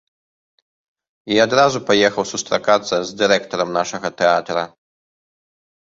І адразу паехаў сустракацца з дырэктарам нашага тэатра.